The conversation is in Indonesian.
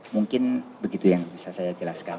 mungkin begitu yang bisa saya jelaskan